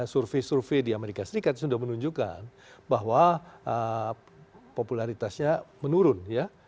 survei survei di amerika serikat sudah menunjukkan bahwa popularitasnya menurun ya